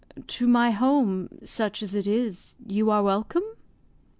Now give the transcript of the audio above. "To my home, such as it is, you are welcome."